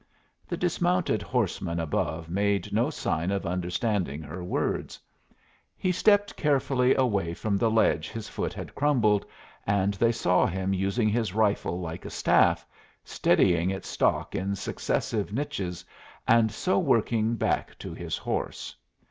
The dismounted horseman above made no sign of understanding her words. He stepped carefully away from the ledge his foot had crumbled, and they saw him using his rifle like a staff, steadying its stock in successive niches, and so working back to his horse.